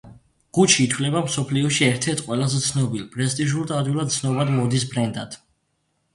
გუჩი ითვლება მსოფლიოში ერთ-ერთ ყველაზე ცნობილ, პრესტიჟულ და ადვილად ცნობად მოდის ბრენდად.